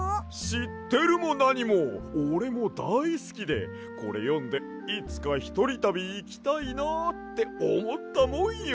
しってるもなにもおれもだいすきでこれよんでいつかひとりたびいきたいなっておもったもんよ！